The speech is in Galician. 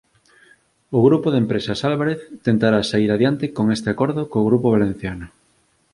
O Grupo de Empresas Álvarez tentará saír adiante con este acordo co grupo valenciano